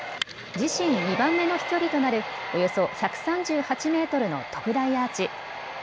自身２番目の飛距離となるおよそ１３８メートルの特大アーチ。